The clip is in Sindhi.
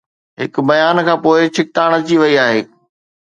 هڪ بيان کانپوءِ ڇڪتاڻ اچي وئي آهي